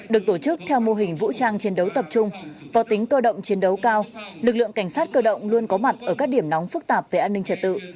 được tổ chức theo mô hình vũ trang chiến đấu tập trung có tính cơ động chiến đấu cao lực lượng cảnh sát cơ động luôn có mặt ở các điểm nóng phức tạp về an ninh trật tự